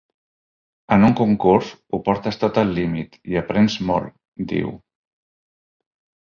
En un concurs, ho portes tot al límit i aprens molt, diu.